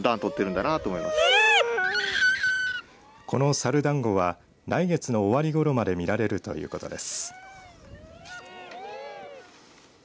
このサルだんごは来月の終わりごろまで見られるということです。